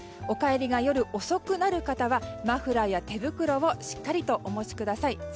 お帰りが夜遅くなる方はマフラーや手袋をしっかりとお持ちください。